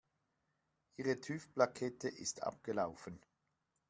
Ihre TÜV-Plakette ist abgelaufen.